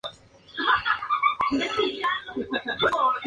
Formó parte de la banda de glam rock New York Dolls.